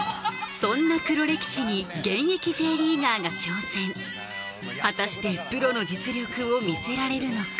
そんな黒歴史に現役Ｊリーガーが挑戦果たしてプロの実力を見せられるのか？